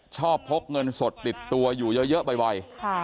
พกเงินสดติดตัวอยู่เยอะบ่อย